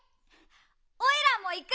おいらもいく！